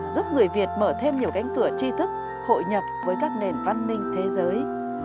giúp người việt mở thêm nhiều cánh cửa tri thức hội nhập với các nền văn minh thế giới